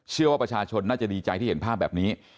เชื่อว่าประชาชนน่าจะดีใจที่เห็นภาพแบบนี้